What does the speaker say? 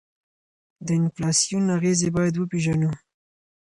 د انفلاسیون اغیزې باید وپیژنو.